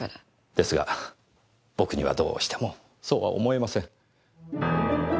ですが僕にはどうしてもそうは思えません。